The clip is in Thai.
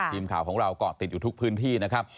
ทีมข่าวของเราก็ติดอยู่ทุกพื้นที่นะครับ